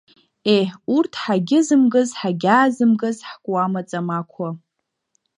Еҳ, урҭ ҳагьызымгаз ҳагьаазымгаз ҳкуама-ҵамақуа!